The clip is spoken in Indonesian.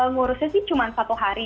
ngurusnya sih cuma satu hari